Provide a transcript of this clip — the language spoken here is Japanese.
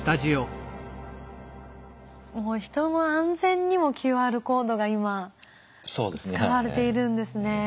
人の安全にもＱＲコードが今使われているんですね。